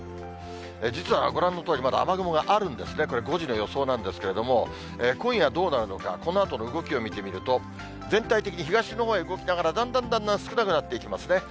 実はご覧のとおり、まだ雨雲があるんですね、これ、５時の予想なんですけれども、今夜どうなるのか、このあとの動きを見てみると、全体的に東のほうへ動きながら、だんだんだんだん少なくなっていきますね。